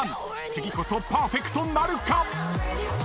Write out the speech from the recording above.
次こそパーフェクトなるか⁉］